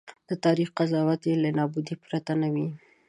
د تاریخ قضاوت یې له نابودۍ پرته نه وي.